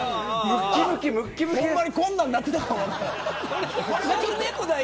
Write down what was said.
ほんまに、こんなんなっていたかもしれない。